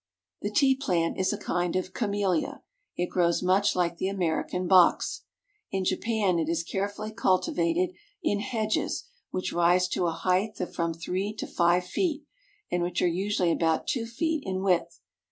The tea plant is a kind of camellia. It grows much like the American box. In Japan it is carefully cultivated in hedges which rise to a height of from three to five feet, and which are usually about two feet in width.